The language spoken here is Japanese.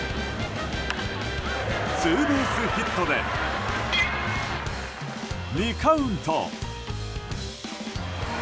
ツーベースヒットで２カウント。